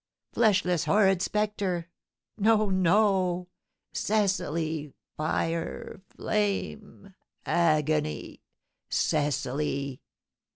Fleshless, horrid spectre! No no! Cecily fire flame agony Cecily!"